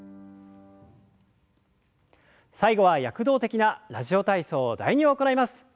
最後は躍動的な「ラジオ体操第２」を行います。